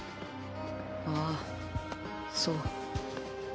ああそう。